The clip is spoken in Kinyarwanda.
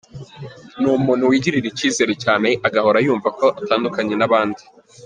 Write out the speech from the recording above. Ni umuntu wigirira icyizere cyane agahora yumva ko atandukanye n’abandi.